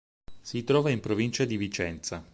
Si trova in provincia di Vicenza.